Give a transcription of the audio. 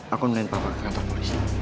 aku ngeliatin papa ke kantor polisi